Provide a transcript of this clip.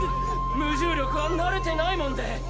無重力は慣れてないもんで。